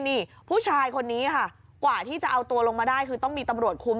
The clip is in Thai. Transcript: นี่ผู้ชายคนนี้ค่ะกว่าที่จะเอาตัวลงมาได้คือต้องมีตำรวจคุม